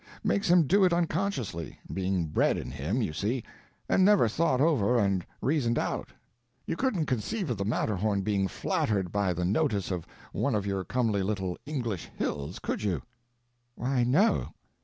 Makes him do it unconsciously—being bred in him, you see, and never thought over and reasoned out. You couldn't conceive of the Matterhorn being flattered by the notice of one of your comely little English hills, could you?" "Why, no."